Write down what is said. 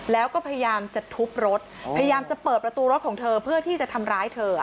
แล้วก็พยายามจะทุบรถพยายามจะเปิดประตูรถของเธอเพื่อที่จะทำร้ายเธอ